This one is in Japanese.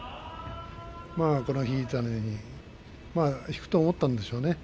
この、引いたのに引くと思ったんでしょうね